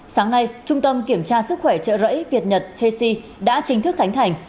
sáng nay trung tâm kiểm tra sức khỏe trợ rẫy việt nhật hec đã chính thức khánh thành